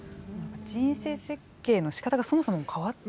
人生設計のしかたがそもそも変わっている。